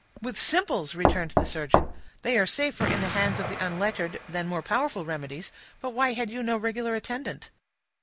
"With simples," returned the surgeon. "They are safer in the hands of the unlettered than more powerful remedies; but why had you no regular attendant?"